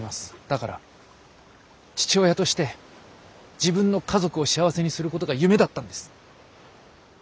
だから父親として自分の家族を幸せにすることが夢だったんです。